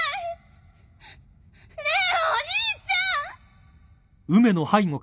ねえお兄ちゃん！